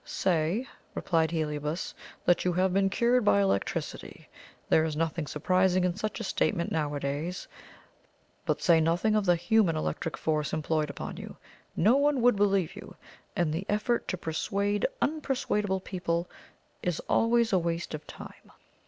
"Say," replied Heliobas, "that you have been cured by electricity. There is nothing surprising in such a statement nowadays. But say nothing of the HUMAN electric force employed upon you no one would believe you, and the effort to persuade unpersuadable people is always a waste of time."